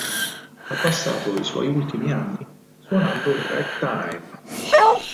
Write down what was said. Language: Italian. Ha passato i suoi ultimi anni suonando ragtime.